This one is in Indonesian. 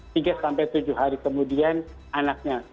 tiga sampai tujuh hari kemudian anaknya